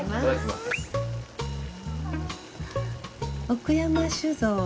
奥山酒造